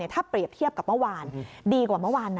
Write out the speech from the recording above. ถ้าเปรียบเทียบกับเมื่อวานดีกว่าเมื่อวานนะ